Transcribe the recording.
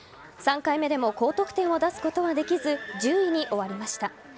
３回目でも高得点を出すことはできず１０位に終わりました。